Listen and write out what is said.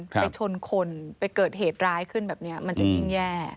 ไปชนคนไปเกิดเหตุร้ายขึ้นแบบนี้มันจะยิ่งแย่